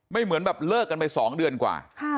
เหมือนแบบเลิกกันไป๒เดือนกว่า